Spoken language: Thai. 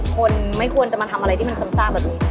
คนไม่ควรจะมาทำอะไรที่มันซ้ำซากแบบนี้